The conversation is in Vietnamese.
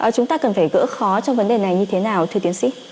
chúng ta cần phải gỡ khó trong vấn đề này như thế nào thưa tiến sĩ